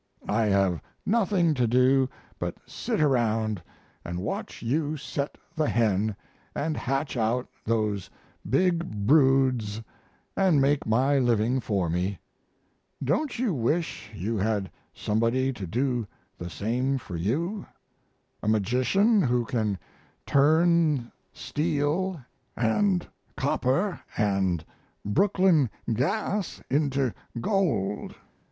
I have nothing to do but sit around and watch you set the hen and hatch out those big broods and make my living for me. Don't you wish you had somebody to do the same for you? a magician who can turn steel add copper and Brooklyn gas into gold.